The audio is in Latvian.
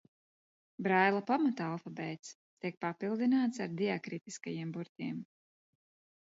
Braila pamata alfabēts tiek papildināts ar diakritiskajiem burtiem.